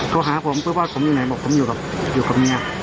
โทรหาผมปุ๊บว่าผมอยู่ไหนบอกผมอยู่กับอยู่กับเมีย